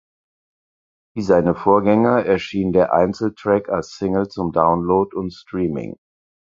Wie seine Vorgänger erschien der Einzeltrack als Single zum Download und Streaming.